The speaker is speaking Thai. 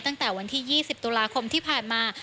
ตั้งแต่วันที่๒๐ตุลาคมที่ผ่านมา